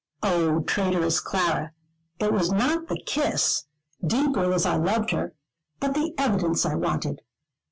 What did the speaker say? Oh, traitorous Clara, it was not the kiss deeply as I loved her but the evidence I wanted.